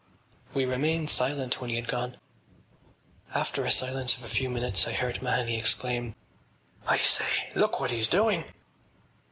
We remained silent when he had gone. After a silence of a few minutes I heard Mahony exclaim: “I say! Look what he’s doing!